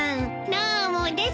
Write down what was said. どうもです。